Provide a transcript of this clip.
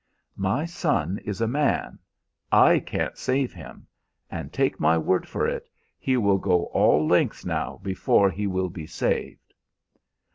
"My son is a man. I can't save him. And take my word for it, he will go all lengths now before he will be saved."